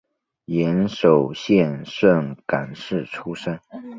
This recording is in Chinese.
岩手县盛冈市出身。